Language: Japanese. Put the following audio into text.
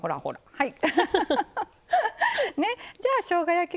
はい。